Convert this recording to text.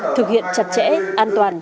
thực hiện chặt chẽ an toàn